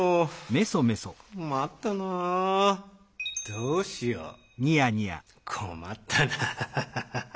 「どうしようこまったなハハハハ」。